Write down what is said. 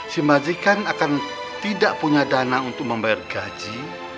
si majikan akan tidak punya dana untuk membayar gaji